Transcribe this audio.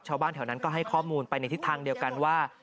ชาวบ้านแถวนั้นก็ให้ข้อมูลไปในทิศทางเดียวกันว่า